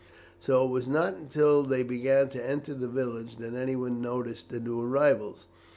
So it was not until they began to enter the village that anyone noticed the new arrivals.